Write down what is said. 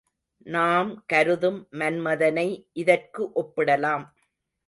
நாம் கருதும் மன்மதனை இதற்கு ஒப்பிடலாம்.